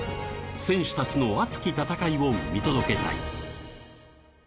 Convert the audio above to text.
選手たちの熱き戦いを見届けたい！